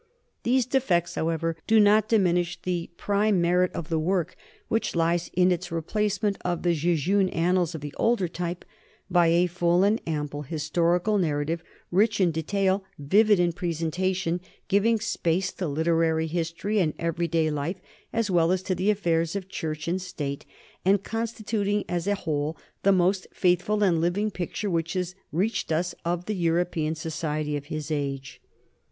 These defects, however, do not diminish the prime merit of the work, which lies in its replacement of the jejune annals of the older type by a full and ample historical narrative, rich in detail, vivid in presentation, giving space to literary history and everyday life as well as to the affairs of church and state, and constituting as a whole the most faithful and living picture which has reached us of the European society of his age.